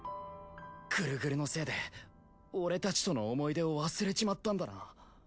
グルグルのせいで俺たちとの思い出を忘れちまったんだな。